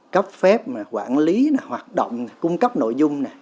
cấp phép quản lý hoạt động cung cấp nội dung